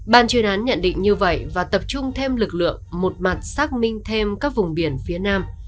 ban chuyên án nhận định như vậy và tập trung thêm lực lượng một mặt xác minh thêm các vùng biển phía nam